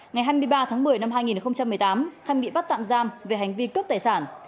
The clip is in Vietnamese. ngày hai mươi ba tháng một mươi năm hai nghìn một mươi tám hân bị bắt tạm giam về hành vi cướp tài sản